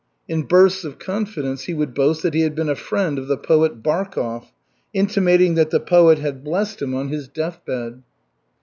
In bursts of confidence he would boast that he had been a friend of the poet Barkov, intimating that the poet had blessed him on his deathbed.